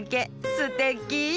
すてき！